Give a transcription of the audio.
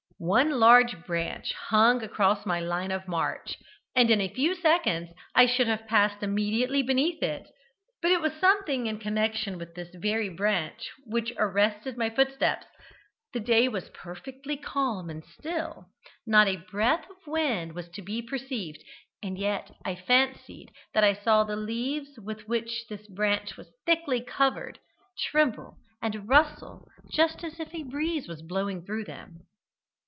One large branch hung across my line of march, and in a few seconds I should have passed immediately beneath it; but it was something in connection with this very branch which arrested my footsteps. The day was perfectly calm and still; not a breath of wind was to be perceived, and yet I fancied that I saw the leaves with which this branch was thickly covered, tremble and rustle just as if a breeze was blowing through them.